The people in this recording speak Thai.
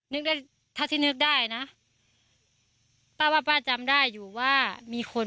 นึกได้ถ้าที่นึกได้นะป้าว่าป้าจำได้อยู่ว่ามีคน